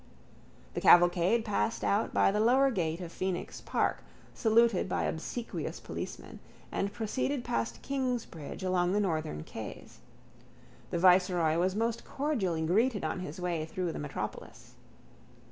The cavalcade passed out by the lower gate of Phoenix park saluted by obsequious policemen and proceeded past Kingsbridge along the northern quays. The viceroy was most cordially greeted on his way through the metropolis.